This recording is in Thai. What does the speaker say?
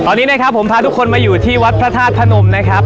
ตอนนี้นะครับผมพาทุกคนมาอยู่ที่วัดพระธาตุพนมนะครับ